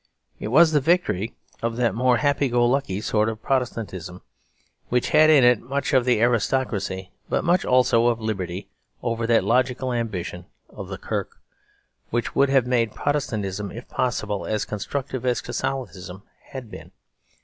It was the victory of that more happy go lucky sort of Protestantism, which had in it much of aristocracy but much also of liberty, over that logical ambition of the Kirk which would have made Protestantism, if possible, as constructive as Catholicism had been.